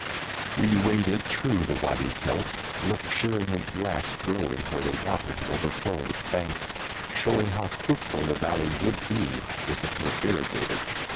We waded through the Wadi Kelt, luxuriant grass growing where the water had overflowed its banks, showing how fruitful the Valley would be if it were irrigated.